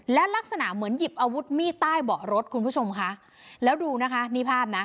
และลักษณะเหมือนหยิบอาวุธมีดใต้เบาะรถคุณผู้ชมค่ะแล้วดูนะคะนี่ภาพนะ